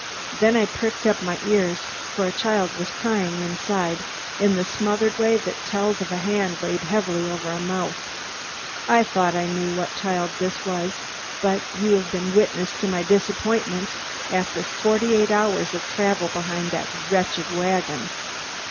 Then I pricked up my ears, for a child was crying inside in the smothered way that tells of a hand laid heavily over the mouth. I thought I knew what child this was, but you have been a witness to my disappointment after forty eight hours of travel behind that wretched wagon."